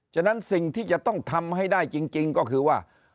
ฉะนั้นสิ่งที่จะต้องทำให้ได้จริงก็คือว่า